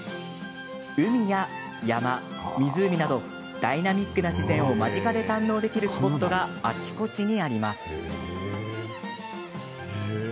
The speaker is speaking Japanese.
海や山、湖などダイナミックな自然を間近で堪能できるスポットがあちこちにあります。